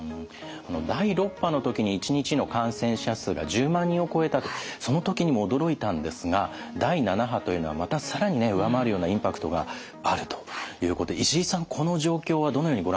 第６波の時に一日の感染者数が１０万人を超えたとその時にも驚いたんですが第７波というのはまた更に上回るようなインパクトがあるということで石井さんこの状況はどのようにご覧になってますか？